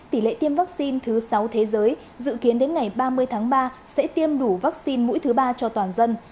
tỷ lệ tiêm vaccine thứ sáu thế giới dự kiến đến ngày ba mươi tháng ba sẽ tiêm đủ vaccine mũi thứ ba cho toàn dân